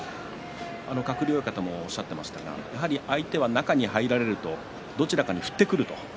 鶴竜親方も言っていましたけども、相手が中に入られるとどちらかに振ってくると。